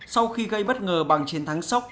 sau khi gây bất ngờ bằng chiến thắng sốc